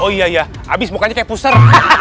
oh iya iya abis mukanya kayak puser